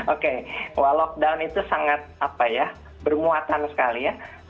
oke lockdown itu sangat bermuatan sekali